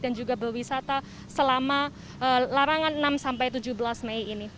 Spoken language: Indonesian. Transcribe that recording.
dan juga berwisata selama larangan enam sampai tujuh belas mei ini